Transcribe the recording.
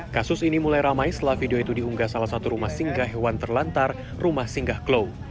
kasus ini mulai ramai setelah video itu diunggah salah satu rumah singgah hewan terlantar rumah singgah klau